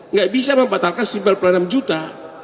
nggak bisa membatalkan simpel enam juta